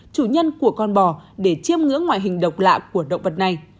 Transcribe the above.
chủ nhân của con bò để chiêm ngưỡng ngoại hình độc lạ của động vật này